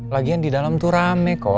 lagian di dalam tuh rame kok